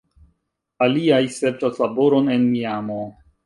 Aliaj serĉas laboron en Miamo.